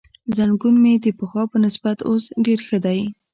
زنګون مې د پخوا په نسبت اوس ډېر ښه دی.